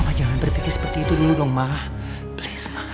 ma jangan berpikir seperti itu dulu dong ma please ma